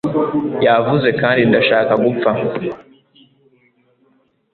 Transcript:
Yavuze kandi ndashaka gupfa